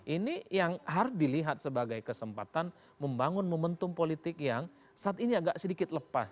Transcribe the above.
ini yang harus dilihat sebagai kesempatan membangun momentum politik yang saat ini agak sedikit lepas